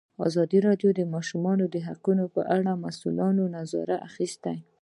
ازادي راډیو د د ماشومانو حقونه په اړه د مسؤلینو نظرونه اخیستي.